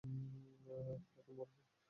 তারা কি মরবে?